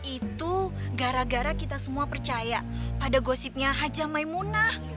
itu gara gara kita semua percaya pada gosipnya haja maimunah